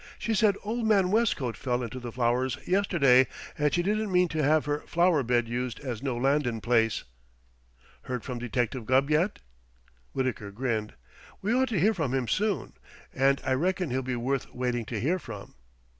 She said old man Westcote fell into the flowers yesterday, and she didn't mean to have her flower bed used as no landin' place. Heard from Detective Gubb yet?" Wittaker grinned. "We ought to hear from him soon. And I reckon he'll be worth waiting to hear from."